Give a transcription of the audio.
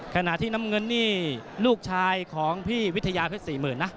ขณะที่น้ำเงินนี่ลูกชายของพี่วิทยาเพชร๔๐๐๐นะ